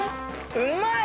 うまい！